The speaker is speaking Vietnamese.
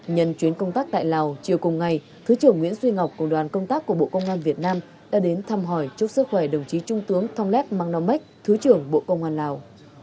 nhân chuyến công tác tại lào chiều cùng ngày thứ trưởng nguyễn duy ngọc cùng đoàn công tác của bộ công an việt nam đã đến thăm hỏi chúc sức khỏe đồng chí trung tướng thong lét mang thứ trưởng bộ công an lào